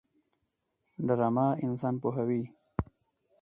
ډرامه انسان پوهوي